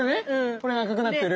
これが赤くなってる。